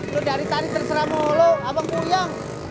lo dari tadi terserah mulu abang puyang